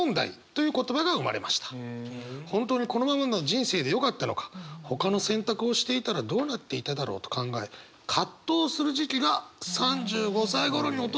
本当にこのままの人生でよかったのかほかの選択をしていたらどうなっていただろうと考え葛藤する時期が３５歳ごろに訪れるんだぞという言葉ですね。